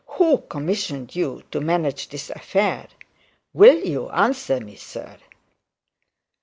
Who commissioned you to manage this affair? Will you answer me, sir?